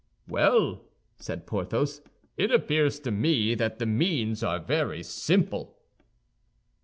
"Well," said Porthos, "it appears to me that the means are very simple."